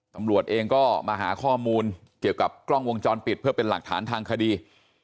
ตำรวจเองก็มาหาข้อมูลเกี่ยวกับกล้องวงจรปิดเพื่อเป็นหลักฐานทางคดี